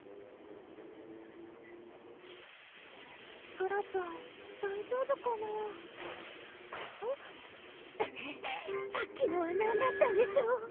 ソラちゃん大丈夫かなぁ・・はぁさっきのは何だったんでしょう？